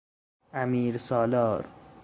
امیرسالار